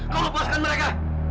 kau lepaskan mereka